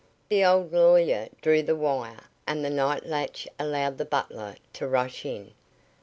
The old lawyer drew the wire, and the night latch allowed the butler to rush in.